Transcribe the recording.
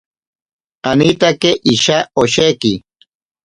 Anitake isha osheki.